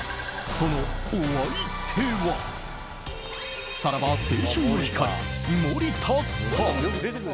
そのお相手はさらば青春の光、森田さん。